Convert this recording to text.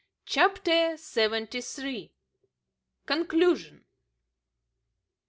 CHAPTER SEVENTY THREE. CONCLUSION.